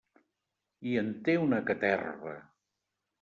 I en té una caterva!